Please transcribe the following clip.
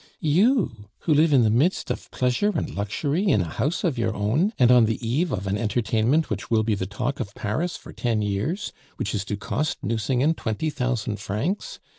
"You! who live in the midst of pleasure and luxury, in a house of your own? And on the eve of an entertainment which will be the talk of Paris for ten years which is to cost Nucingen twenty thousand francs!